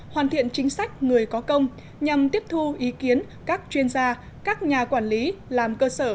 hoàn thiện chính sách người có công nhằm tiếp thu ý kiến các chuyên gia các nhà quản lý làm cơ sở